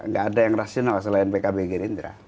gak ada yang rasional selain pkb keindhra